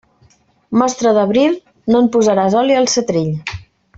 Mostra d'abril, no en posaràs oli al setrill.